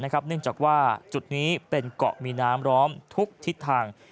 เนื่องจากว่าจุดนี้เป็นเกาะมีน้ำร้อมทุกทิศทาง